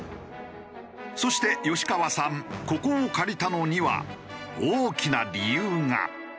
そして吉川さんここを借りたのには大きな理由が。